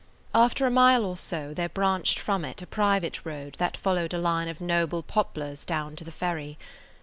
After a mile or so there branched from it a private road that followed a line of noble poplars down to the ferry.